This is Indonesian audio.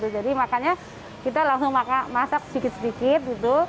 jadi makannya kita langsung masak sedikit sedikit